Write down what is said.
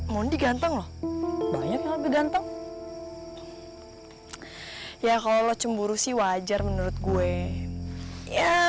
mondi ganteng loh banyak yang lebih ganteng ya kalau lo cemburu sih wajar menurut gue ya